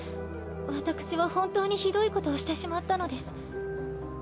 私は本当にひどいことをしてしまったのです。